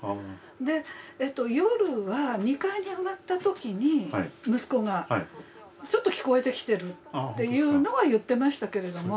でえと夜は２階に上がった時に息子が「ちょっと聞こえてきてる」っていうのは言ってましたけれども。